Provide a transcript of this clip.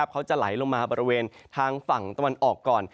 เขาจะไหลลงมาบริเวณทางฝั่งตะวันออกก่อน